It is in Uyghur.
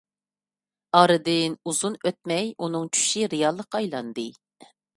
ئارىدىن ئۇزۇن ئۆتمەي، ئۇنىڭ چۈشى رىياللىققا ئايلاندى.